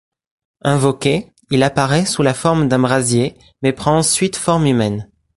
Invoqué, il apparait sous la forme d'un brasier, mais prend ensuite forme humaine.